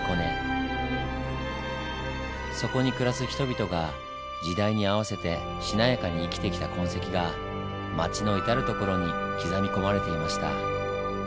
そこに暮らす人々が時代に合わせてしなやかに生きてきた痕跡が町の至る所に刻み込まれていました。